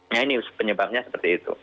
nah ini penyebabnya seperti itu